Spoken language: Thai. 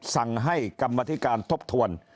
สั่งให้กรรมธิการทบทวน